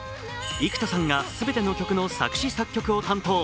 幾田さんが全ての曲の作詞作曲を担当。